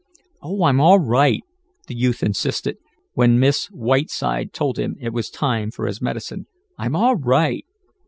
"Oh, I'm all right," the youth insisted, when Miss Whiteside told him it was time for his medicine. "I'm all right."